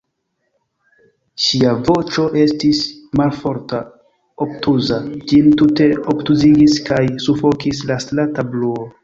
Ŝia voĉo estis malforta, obtuza; ĝin tute obtuzigis kaj sufokis la strata bruo.